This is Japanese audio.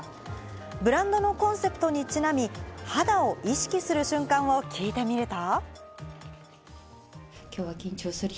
ブランドのコンセプトにちなみ、肌を意識する瞬間を聞いてみると。